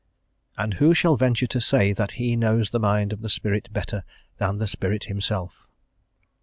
And who shall venture to say that he knows the mind of the Spirit better than the Spirit Himself?"